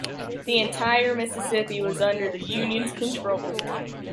The entire Mississippi was under the Union’s control.